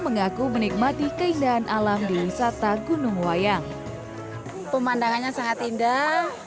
mengaku menikmati keindahan alam di wisata gunung wayang pemandangannya sangat indah